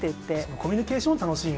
コミュニケーションを楽しむ。